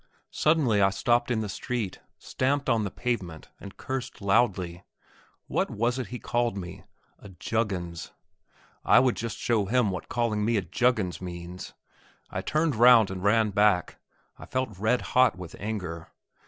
Suddenly I stopped in the street, stamped on the pavement, and cursed loudly. What was it he called me? A "Juggins"? I would just show him what calling me a "Juggins" means. I turned round and ran back. I felt red hot with anger.